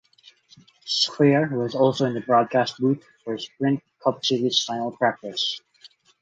Squier was also in the broadcast booth for Sprint Cup Series final practice.